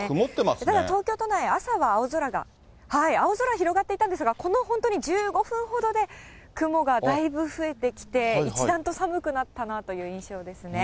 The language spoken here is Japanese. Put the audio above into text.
ただ東京都内、朝は青空広がっていたんですが、この本当に１５分ほどで雲がだいぶ増えてきて、一段と寒くなったなという印象ですね。